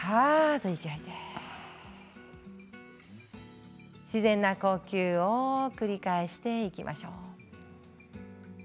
息を吐いて自然な呼吸を繰り返していきましょう。